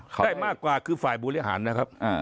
ได้มากกว่าคือฝ่ายบริหารนะครับ